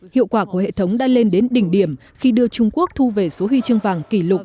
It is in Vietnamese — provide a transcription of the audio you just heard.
hiệu quả của hệ thống đã lên đến đỉnh điểm khi đưa trung quốc thu về số huy chương vàng kỷ lục